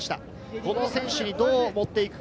この選手にどう持っていくか。